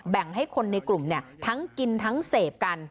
แบ่งให้คนในกลุ่มทั้งกินทั้งเสพกัน